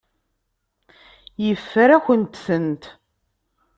Yeffer-akent-tent.